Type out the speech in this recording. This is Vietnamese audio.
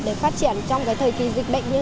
để phát triển trong cái thời kỳ dịch bệnh như thế này